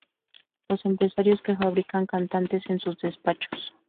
los empresarios que fabrican cantantes en sus despachos